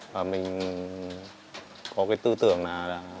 và mình có cái tư tưởng là